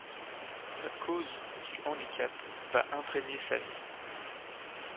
La cause du handicap va imprégner sa vie.